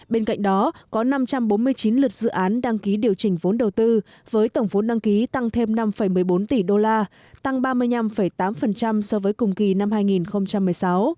bên cạnh đó có năm trăm bốn mươi chín lượt dự án đăng ký điều chỉnh vốn đầu tư với tổng vốn đăng ký tăng thêm năm một mươi bốn tỷ đô la tăng ba mươi năm tám so với cùng kỳ năm hai nghìn một mươi sáu